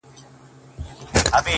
د يويشتمي پېړۍ شپه ده او څه ستا ياد دی؛